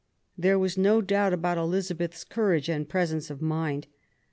There was no doubt about Elizabeth's courage and presence of mind.